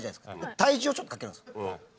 体重をちょっとかけるんです。